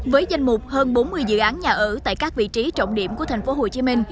với danh mục hơn bốn mươi dự án nhà ở tại các vị trí trọng điểm của tp hcm